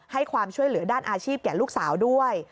ความช่วยเหลือด้านอาชีพแก่ลูกสาวด้วย